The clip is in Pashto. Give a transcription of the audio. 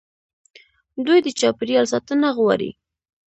دوی د چاپیریال ساتنه غواړي.